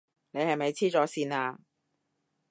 你係咪痴咗線啊？